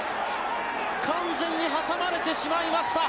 完全に挟まれてしまいました。